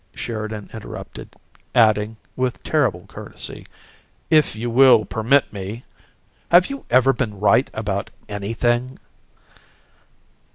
Sheridan interrupted, adding, with terrible courtesy, "If you will permit me? Have you ever been right about anything?"